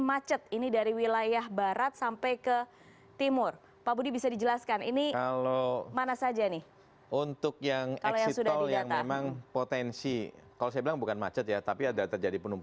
antara aji barang sampai dengan bumiayu